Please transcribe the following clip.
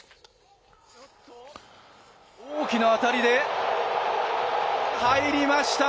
大きな当たりで、入りました。